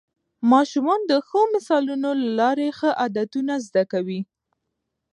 ماشومان د ښو مثالونو له لارې ښه عادتونه زده کوي